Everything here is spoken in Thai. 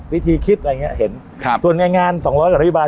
วิธีคิดอะไรอย่างเงี้ยเห็นครับส่วนในงานสองร้อยกับรันบีบาล